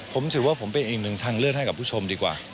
ผมถือว่าผมเป็นอีกหนึ่งทางเลือกให้กับผู้ชมดีกว่า